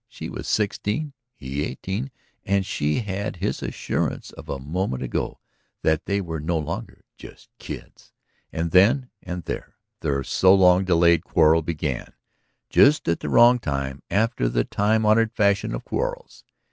She was sixteen, he eighteen ... and she had his assurance of a moment ago that they were no longer just "kids." And then and there their so long delayed quarrel began. Just at the wrong time, after the time honored fashion of quarrels.